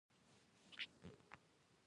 ولایتونه د نن او راتلونکي لپاره ارزښت لري.